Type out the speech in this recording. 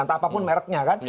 atau apapun merknya kan